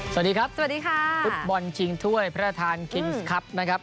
สวัสดีครับสวัสดีค่ะฟุตบอลชิงถ้วยพระราชทานคิงส์ครับนะครับ